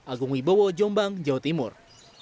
agung wibowo jombang jawa timur